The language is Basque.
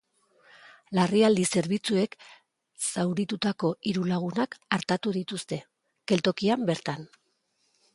Larrialdi zerbitzuek zauritutako hiru lagunak artatu dituzte, geltokian bertan.